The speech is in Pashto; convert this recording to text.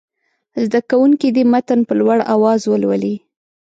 زده کوونکي دې متن په لوړ اواز ولولي.